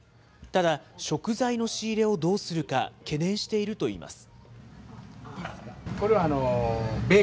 ただ、食材の仕入れをどうするか、懸念しているといいます。